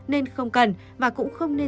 nên không cần và cũng không nên làm